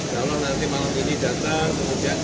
kalau nanti malam ini datang kemudian